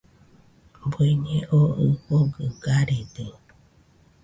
Bueñe oo ɨfogɨ garede.